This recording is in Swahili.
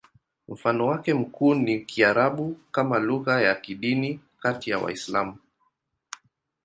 Mfano wake mkuu ni Kiarabu kama lugha ya kidini kati ya Waislamu.